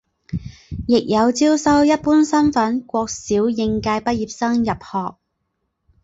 亦有招收一般身份国小应届毕业生入学。